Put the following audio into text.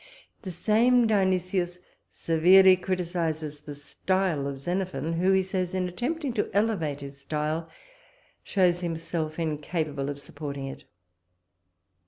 The same Dionysius severely criticises the style of Xenophon, who, he says, in attempting to elevate his style, shows himself incapable of supporting it.